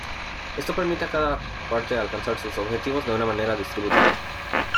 Esto permite a cada parte alcanzar sus objetivos de una manera distributiva.